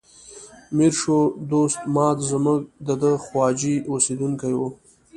میر شو دوست ماد زموږ د ده خواجې اوسیدونکی و.